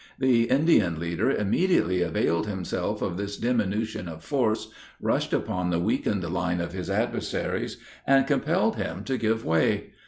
The Indian leader immediately availed himself of this dimunition of force, rushed upon the weakened line of his adversaries, and compelled him to give way.